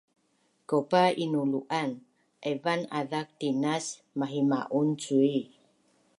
Kaupa inulu’an aivan azak tinas mahima’un cui